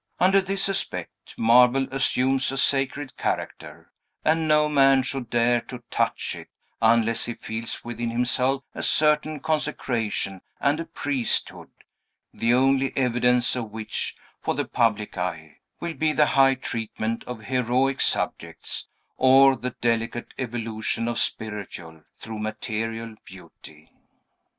Under this aspect, marble assumes a sacred character; and no man should dare to touch it unless he feels within himself a certain consecration and a priesthood, the only evidence of which, for the public eye, will be the high treatment of heroic subjects, or the delicate evolution of spiritual, through material beauty.